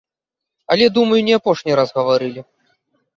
Але, думаю, не апошні раз гаварылі!